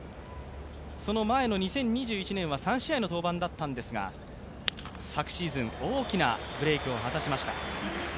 その前の２０２１年は３試合の登板だったんですが昨シーズン、大きなブレークを果たしました。